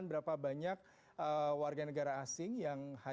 tiga bulan yang lalu